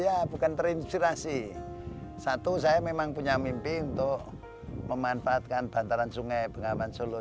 ya bukan terinspirasi satu saya memang punya mimpi untuk memanfaatkan bantaran sungai bengawan solo